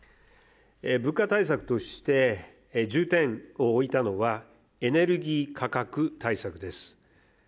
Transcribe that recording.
物価対策として重点を置いたのはエネルギー価格対策です。